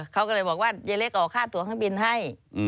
เขาก็เลยบอกว่ายายเล็กออกค่าตัวเครื่องบินให้